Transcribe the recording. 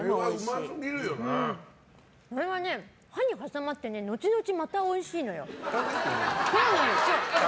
これはね、歯に挟まってね後々、またおいしいのよ。